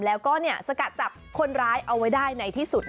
แล้วก็สกัดจับคนร้ายเอาไว้ได้ในที่สุด